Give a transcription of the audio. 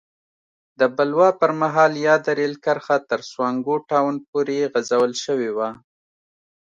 د بلوا پر مهال یاده رېل کرښه تر سونګو ټاون پورې غځول شوې وه.